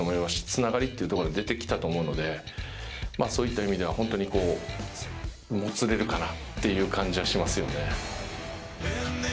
つながりっていうところが出てきたと思うのでそういった意味ではもつれるかなっていう感じはしますよね。